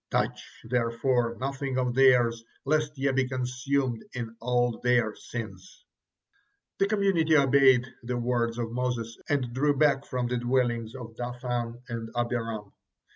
'Touch, therefore, nothing of theirs, lest ye be consumed in all their sins.'" The community obeyed the words of Moses and drew back from the dwellings of Dathan and Abiram.